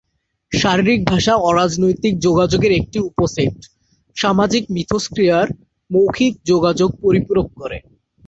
শারীরিক ভাষা, অরাজনৈতিক যোগাযোগের একটি উপসেট, সামাজিক মিথস্ক্রিয়ায় মৌখিক যোগাযোগ পরিপূরক করে।